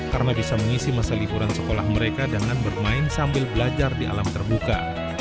karena bisa mengisi masa liburan sekolah mereka dengan bermain sambil belajar di alam terbuka